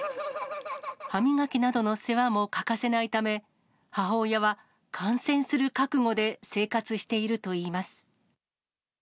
歯磨きなどの世話も欠かせないため、母親は感染する覚悟で生活しているといいます。